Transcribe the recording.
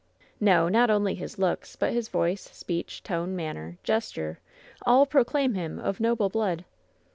"No! not only his looks, but his voice, speech, tone, manner, gesture — all proclaim him of noble blood!"